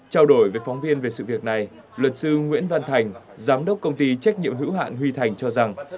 trao đổi với phóng viên về sự việc này luật sư nguyễn văn thành giám đốc công ty trách nhiệm hữu hạn huy thành cho rằng